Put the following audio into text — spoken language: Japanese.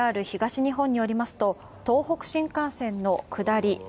ＪＲ東日本によりますと、東北新幹線の下り